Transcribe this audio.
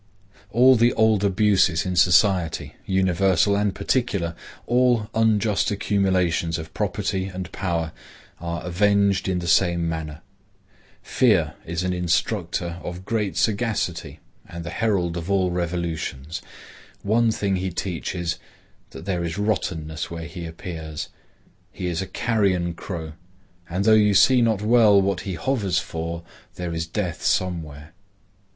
All the old abuses in society, universal and particular, all unjust accumulations of property and power, are avenged in the same manner. Fear is an instructor of great sagacity and the herald of all revolutions. One thing he teaches, that there is rottenness where he appears. He is a carrion crow, and though you see not well what he hovers for, there is death somewhere.